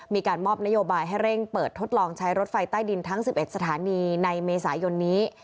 มีการมอบนโยบายให้เร่งเปิดทดลองใช้รถไฟใต้ดินทั้ง๑๑สถานีในเมษายนนี้